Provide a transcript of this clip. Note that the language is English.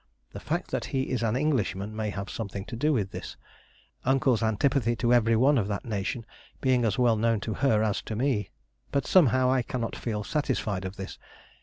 The fact that he is an Englishman may have something to do with this; Uncle's antipathy to every one of that nation being as well known to her as to me. But somehow I cannot feel satisfied of this.